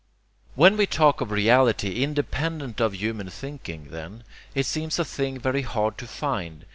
When we talk of reality 'independent' of human thinking, then, it seems a thing very hard to find.